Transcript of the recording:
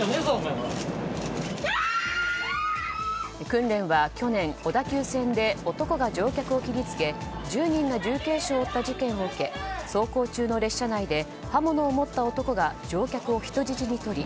訓練は去年小田急線で男が乗客を切り付け１０人が重軽傷を負った事件を受け走行中の列車内で刃物を持った男が乗客を人質に取り